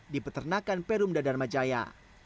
di peternakan perumda dharmajaya